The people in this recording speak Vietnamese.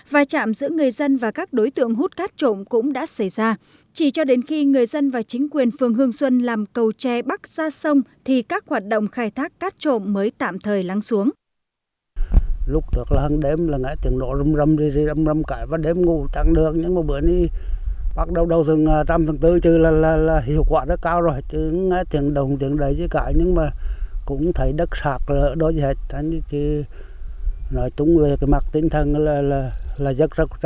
và trạm giữa người dân và các đối tượng hút cát trộm cũng đã xảy ra chỉ cho đến khi người dân và chính quyền phường hương xuân làm cầu tre bắt ra sông thì các hoạt động khai thác cát trộm mới tạm thời lắng xuống